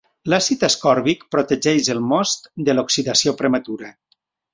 L'àcid ascòrbic protegeix el most de l'oxidació prematura.